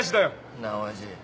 なあ親父